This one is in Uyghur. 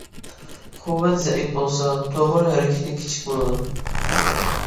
قۇۋۋەت زەئىپ بولسا، تومۇر ھەرىكىتى كىچىك بولىدۇ.